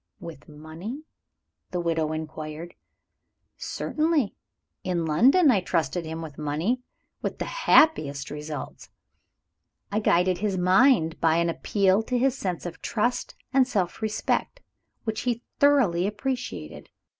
"With money?" the widow inquired. "Certainly. In London I trusted him with money with the happiest results. I quieted his mind by an appeal to his sense of trust and self respect, which he thoroughly appreciated.